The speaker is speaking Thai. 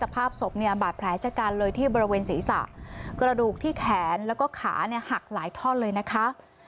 ภาพศพเนี่ยบาดแผลชะกันเลยที่บริเวณศีรษะกระดูกที่แขนแล้วก็ขาเนี่ยหักหลายท่อนเลยนะคะ